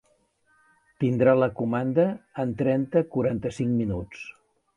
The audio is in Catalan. Tindrà la comanda en trenta-quaranta-cinc minuts.